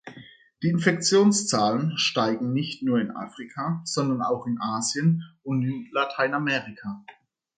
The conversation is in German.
Die Infektionszahlen steigen nicht nur in Afrika, sondern auch in Asien und in Lateinamerika.